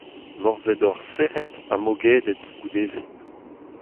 Morzhed-hoc'h sec'het ha mogedet goude-se.